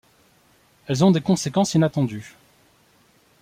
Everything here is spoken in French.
Elles ont des conséquences inattendues.